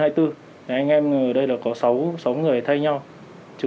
anh em ở đây có sáu người thay nhau